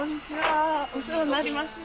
お世話になります。